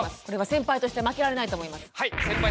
先輩として負けられないと思います。